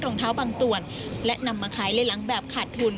รองเท้าบางส่วนและนำมาขายในหลังแบบขาดทุน